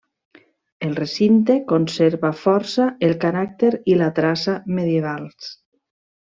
El recinte conserva força el caràcter i la traça medievals.